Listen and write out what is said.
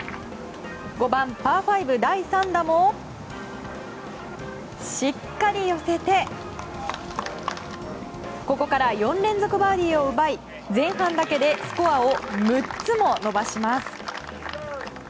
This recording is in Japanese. ５番のパー５、第３打もしっかり寄せてここから４連続バーディーを奪い前半だけでスコアを６つも伸ばします。